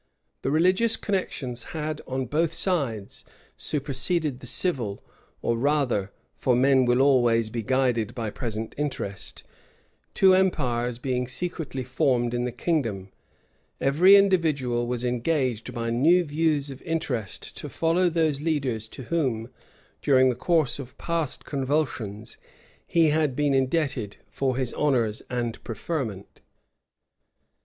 The religious connections had, on both sides, superseded the civil; or rather, (for men will always be guided by present interest,) two empires being secretly formed in the kingdom, every individual was engaged by new views of interest to follow those leaders to whom, during the course of past convulsions, he had been indebted for his honors and preferment.